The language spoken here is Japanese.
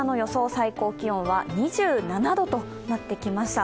最高気温は２７度となってきました。